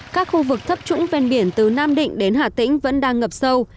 các khu vực thấp trũng ven biển từ nam định đến hà tĩnh vẫn đang ngập sâu